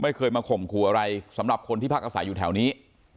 ไม่เคยมาข่มขู่อะไรสำหรับคนที่พักอาศัยอยู่แถวนี้